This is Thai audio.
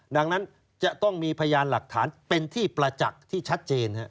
ดังนั้นจะต้องมีพยานหลักฐานเป็นที่ประจักษ์ที่ชัดเจน